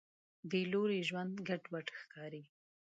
بېلوري ژوند ګډوډ ښکاري.